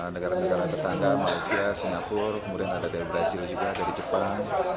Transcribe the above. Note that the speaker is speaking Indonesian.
negara negara tetangga malaysia singapura kemudian ada dari brazil juga dari jepang